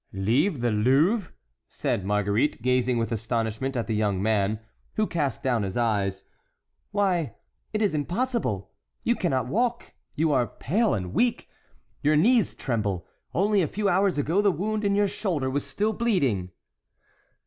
"Leave the Louvre!" said Marguerite, gazing with astonishment at the young man, who cast down his eyes. "Why, it is impossible—you cannot walk; you are pale and weak; your knees tremble. Only a few hours ago the wound in your shoulder was still bleeding."